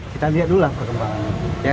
kita lihat dulu lah perkembangannya